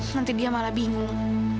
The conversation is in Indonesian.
nanti dia malah bingung